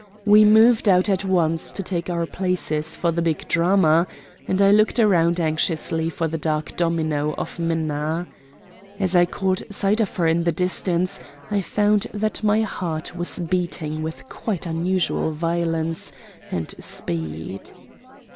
We moved out at once to take our places for the big drama, and I looked round anxiously for the dark domino of Minna. As I caught sight of her in the distance I found that my heart was beating with quite unusual violence and speed.